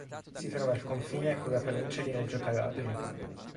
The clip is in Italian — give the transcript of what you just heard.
Si trova al confine con la provincia di Reggio Calabria.